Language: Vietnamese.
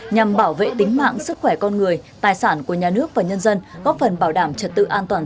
nhằm bảo vệ tính mạng của các cơ quan tổ chức hộ gia đình và cá nhân